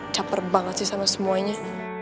caper banget sih sama semuanya